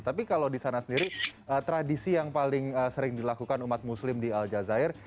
tapi kalau di sana sendiri tradisi yang paling sering dilakukan umat muslim di al jazair